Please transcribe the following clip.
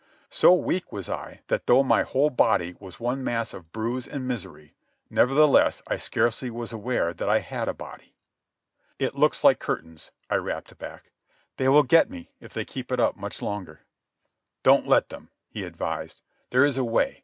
So weak was I that though my whole body was one mass of bruise and misery, nevertheless I scarcely was aware that I had a body. "It looks like curtains," I rapped back. "They will get me if they keep it up much longer." "Don't let them," he advised. "There is a way.